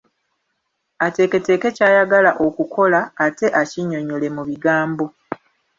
Ateeketeeke ky'ayagala okukola, ate akinnyonyole mu bigambo.